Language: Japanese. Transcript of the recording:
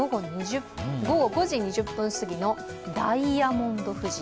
午後５時２０分すぎのダイヤモンド富士。